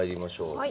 はい。